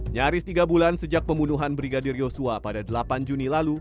nyaris tiga bulan sejak pembunuhan brigadir yosua pada delapan juni lalu